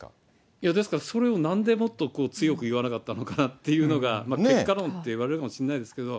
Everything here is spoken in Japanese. いや、ですから、それをなんでもっと強く言わなかったのかっていうのが、結果論といわれるかもしれないですけど。